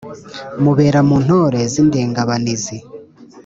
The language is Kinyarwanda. mubera mu ntore z'indengabanizi